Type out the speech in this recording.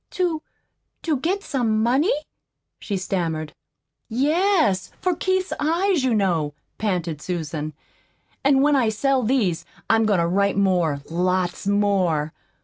"To to get some money?" she stammered. "Yes for Keith's eyes, you know," panted Susan. "An' when I sell these, I'm goin' to write more lots more.